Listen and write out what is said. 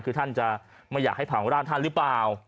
คือท่านจะไม่อยากให้เผาร่างท่านหรือเปล่า